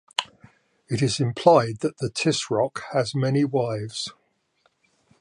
It is implied that the Tisroc has many wives.